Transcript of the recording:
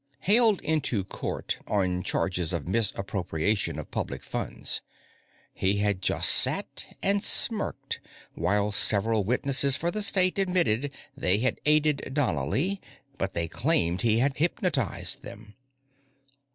Haled into court on charges of misappropriation of public funds, he had just sat and smirked while several witnesses for the State admitted that they had aided Donnely, but they claimed he had "hypnotized" them.